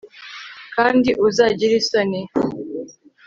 kandi uzagire isoni